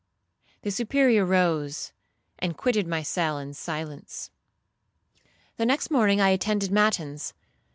'—The Superior rose, and quitted my cell in silence. The next morning I attended matins.